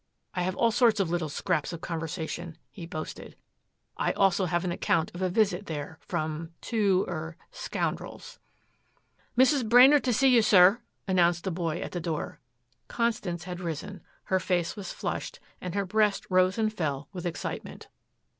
I have all sorts of little scraps of conversation," he boasted. "I also have an account of a visit there from two er scoundrels " "Mrs. Brainard to see you, sir," announced a boy at the door. Constance had risen. Her face was flushed and her breast rose and fell with excitement.